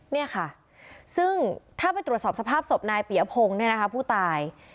เนี่ยค่ะซึ่งถ้าไปตรวจสอบสภาพศพนายปียพงศ์เนี่ยนะคะผู้ตาย